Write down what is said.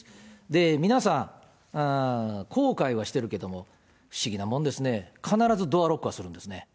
で、皆さん、後悔はしてるけども、不思議なもんですね、必ずドアロックはするんですね。